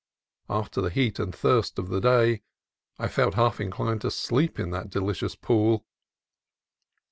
After the heat and thirst of the day I felt half inclined to sleep in that delicious pool.